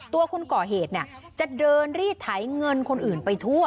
คนก่อเหตุจะเดินรีดไถเงินคนอื่นไปทั่ว